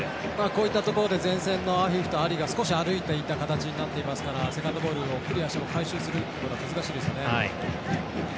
こういったところで前線のアフィフとアリが少し歩いていた形になっていますからセカンドボールをクリアしても回収することは難しいですよね。